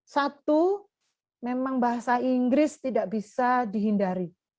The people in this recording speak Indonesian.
satu memang bahasa inggris tidak bisa dihindari